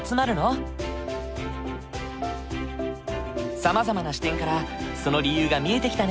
さまざまな視点からその理由が見えてきたね。